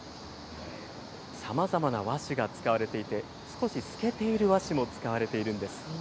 さまざまな和紙が使われていて、少し透けている和紙も使われているんです。